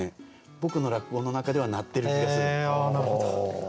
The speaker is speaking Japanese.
僕の落語の中では鳴ってる気がするんですよ。